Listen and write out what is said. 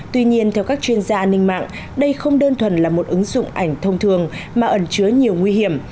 tuy nhiên theo các chuyên gia an ninh mạng đây không đơn thuần là một ứng dụng ảnh thông thường mà ẩn chứa nhiều nguy hiểm